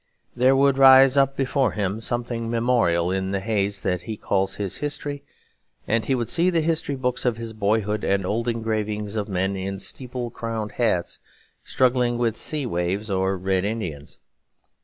There would rise up before him something memorable in the haze that he calls his history; and he would see the history books of his boyhood and old engravings of men in steeple crowned hats struggling with sea waves or Red Indians.